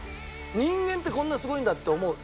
人間ってこんなすごいんだって思う。